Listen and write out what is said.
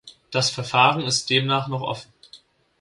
Das Verfahren ist demnach noch offen.